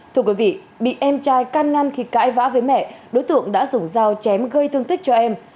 thưa quý vị bị em trai can ngăn khi cãi vã với mẹ đối tượng đã dùng dao chém gây thương tích cho em